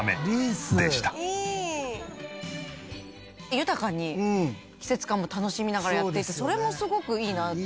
豊かに季節感も楽しみながらやっていてそれもすごくいいなって。